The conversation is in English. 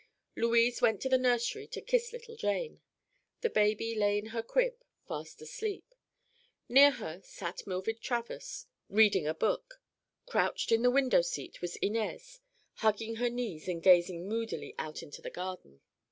Louise went to the nursery to kiss little Jane. The baby lay in her crib, fast asleep. Near her sat Mildred Travers, reading a book. Crouched in the window seat was Inez, hugging her knees and gazing moodily out into the garden.